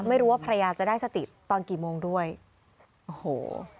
ไม่รู้ว่าภรรยาจะได้สติตอนกี่โมงด้วยโอ้โห